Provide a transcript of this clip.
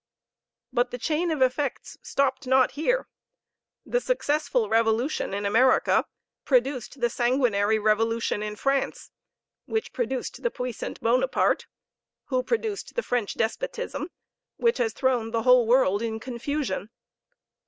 But the chain of effects stopped not here; the successful revolution in America produced the sanguinary revolution in France which produced the puissant Bonaparte, who produced the French despotism, which has thrown the whole world in confusion!